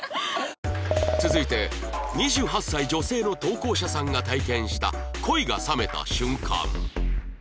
続いて２８歳女性の投稿者さんが体験した恋が冷めた瞬間